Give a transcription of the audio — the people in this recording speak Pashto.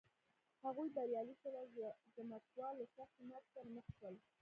هغوی بریالي شول او ځمکوال له سختې ماتې سره مخ شول.